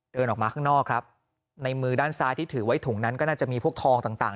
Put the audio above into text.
เดินออกมาข้างนอกครับในมือด้านซ้ายที่ถือไว้ถุงนั้นก็น่าจะมีพวกทองต่าง